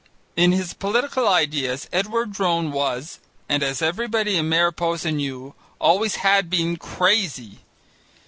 In his political ideas Edward Drone was and, as everybody in Mariposa knew, always had been crazy.